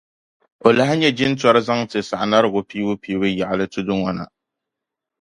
O lahi nyɛ jintɔri zaŋ ti Sagnarigu piibu-piibu yaɣili tudu ŋɔ na.